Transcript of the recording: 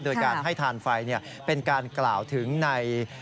โดยการให้ทานไฟเป็นการกล่าวถึงใน